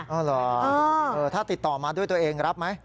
อ๋อเหรอถ้าติดต่อมาด้วยตัวเองรับไหม